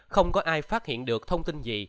không có ai phát hiện được thông tin gì